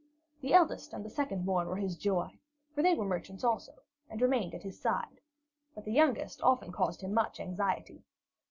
The eldest and the second born were his joy, for they were merchants too, and remained at his side; but the youngest often caused him much anxiety.